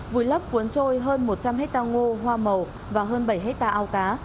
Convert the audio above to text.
vùi lấp cuốn trôi hơn một trăm linh ha ngô hoa màu và hơn bảy ha ao cá